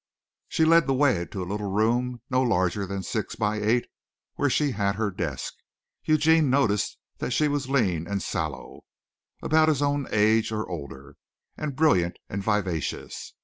She led the way to a little room no larger than six by eight where she had her desk. Eugene noticed that she was lean and sallow, about his own age or older, and brilliant and vivacious.